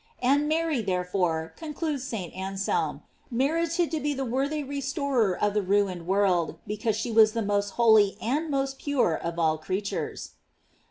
And Mary, therefore, concludes St. An selm, merited to be the worthy restorer of the ruined world, because she was the most holy and most pure of all creatures.